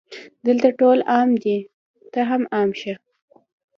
دلته ټول عام دي ته هم عام شه